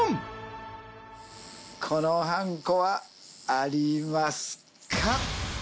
このはんこはありますか？